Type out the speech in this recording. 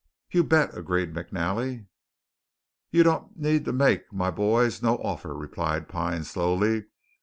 "You bet!" agreed McNally. "You don't need to make my boys no offer," replied Pine slowly.